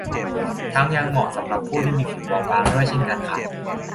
ทั้งยังเหมาะสำหรับผู้ที่มีผิวบอบบางด้วยเช่นกันค่ะ